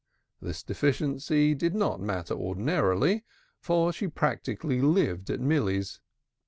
This deficiency did not matter ordinarily, for she practically lived at Milly's.